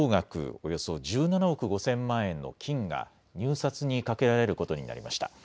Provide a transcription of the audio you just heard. およそ１７億５０００万円の金が入札にかけられることになりました。